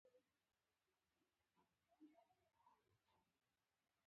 دغه نرخونه که څه هم لږ توپیر لري خو بیا هم ګډ دي.